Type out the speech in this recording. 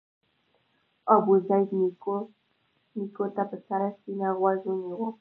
ابوزید نیوکو ته په سړه سینه غوږ ونیو.